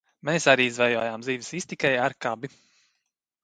Mēs arī zvejojām zivis iztikai ar kabi.